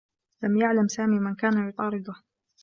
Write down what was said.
لم يعلم سامي من كان يطارده.